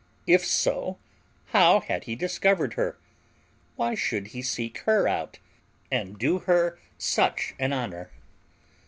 If so, how had he discovered her? Why should he seek her out and do her such an honor?